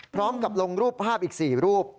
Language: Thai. พร้อมกับลงรูปภาพอีก๔รูป